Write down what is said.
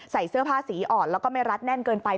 ใส่เสื้อผ้าสีอ่อนแล้วก็ไม่รัดแน่นเกินไป